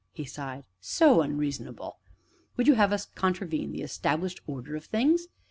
he sighed, "so unreasonable. Would you have us contravene the established order of things?